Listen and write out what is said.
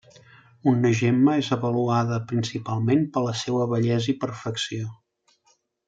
Una gemma és avaluada principalment per la seua bellesa i perfecció.